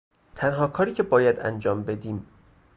تنها کاری که باید انجام بدیم